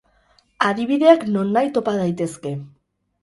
Adibideak nonnahi topa daitezke.